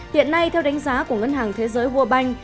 hiện nay theo đánh giá của ngân hàng thế giới vua banh